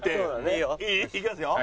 いい？いきますよ。